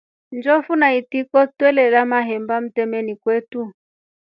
Njofu na itiko silelya mahemba mtameni kwa motu.